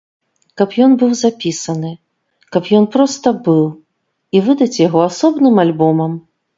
Каб ён быў запісаны, каб ён проста быў, і выдаць яго асобным альбомам.